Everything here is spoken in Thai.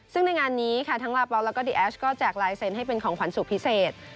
ซึ่งในงานนี้ค่ะทั้งลาเปลแล้วก็ดีแอชก็แจกลายเซ็นต์ให้เป็นของขวัญสุดพิเศษ